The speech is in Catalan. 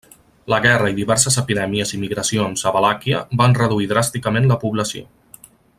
La guerra i diverses epidèmies i migracions a Valàquia van reduir dràsticament la població.